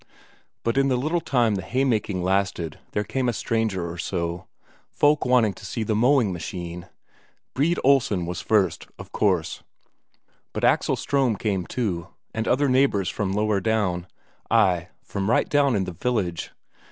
But in the little time the haymaking lasted there came a stranger or so, folk wanting to see the mowing machine. Brede Olsen was first, of course, but Axel Ström came, too, and other neighbours from lower down ay, from right down in the village.